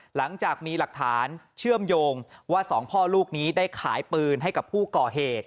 หลังจากมีหลักฐานเชื่อมโยงว่าสองพ่อลูกนี้ได้ขายปืนให้กับผู้ก่อเหตุ